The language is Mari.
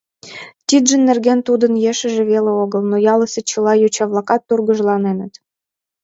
Тиджын нерген тудын ешыже веле огыл, но ялысе чыла йоча-влакат тургыжланеныт